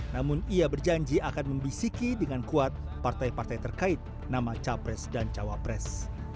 namun ia berjanji akan membisiki dengan kuat partai partai terkait nama capres dan cawapres